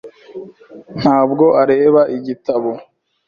Ntabwo areba igitabo.